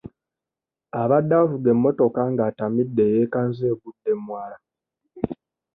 Abadde avuga emmotoka ng'atamidde yeekanze egudde mu mwala.